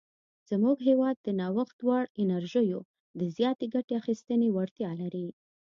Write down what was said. زموږ هیواد د نوښت وړ انرژیو د زیاتې ګټې اخیستنې وړتیا لري.